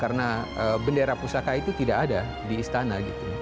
karena bendera pusaka itu tidak ada di istana